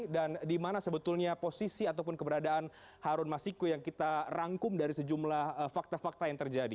dan di mana sebetulnya posisi ataupun keberadaan harun masiku yang kita rangkum dari sejumlah fakta fakta yang terjadi